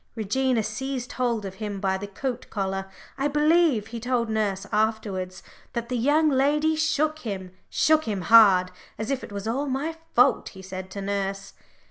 Regina seized hold of him by the coat collar, I believe; he told nurse afterwards that the young lady shook him, shook him hard, "as if it was all my fault," he said to nurse.